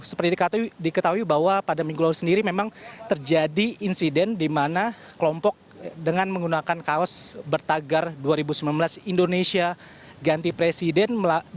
seperti diketahui bahwa pada minggu lalu sendiri memang terjadi insiden di mana kelompok dengan menggunakan kaos bertagar dua ribu sembilan belas indonesia ganti presiden